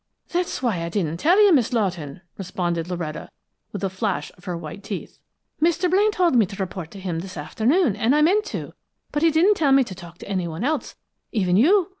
"That's just why I didn't tell you, Miss Lawton!" responded Loretta, with a flash of her white teeth. "Mr. Blaine told me to report to him this afternoon, and I meant to, but he didn't tell me to talk to anyone else, even you.